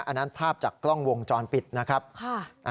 อันนั้นภาพจากกล้องวงจรปิดนะครับ